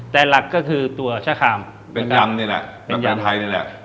แต่หลักก็คือตัวชะคามเป็นยำนี่แหละเป็นยำไทยนี่แหละ